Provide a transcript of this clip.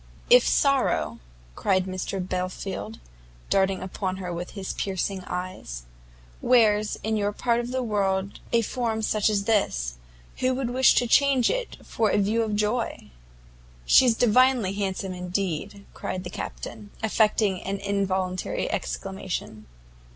"If sorrow," cried Mr Belfield, darting upon her his piercing eyes, "wears in your part of the world a form such as this, who would wish to change it for a view of joy?" "She's divinely handsome, indeed!" cried the Captain, affecting an involuntary exclamation.